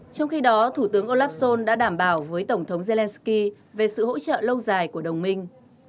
trong khi đó thủ tướng olafsson đã đảm bảo với tổng thống zelenskyy về sự hỗ trợ lâu dài của đồng minh